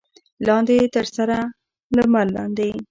لاندې تر سره لمر لاندې.